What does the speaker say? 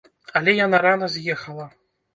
Але яна рана з'ехала.